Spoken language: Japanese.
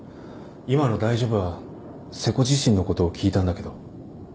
今の「大丈夫？」は瀬古自身のことを聞いたんだけど。